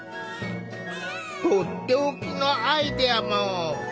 とっておきのアイデアも。